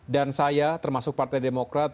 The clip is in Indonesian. saya termasuk partai demokrat